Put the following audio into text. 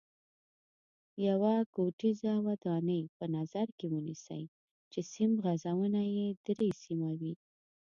یوه کوټیزه ودانۍ په نظر کې ونیسئ چې سیم غځونه یې درې سیمه وي.